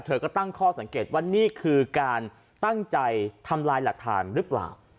เธอก็ตั้งข้อสังเกตว่านี่คือการตั้งใจทำลายหลักฐานหรือเปล่า